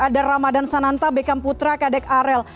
ada ramadhan sananta bekam putra kadek arel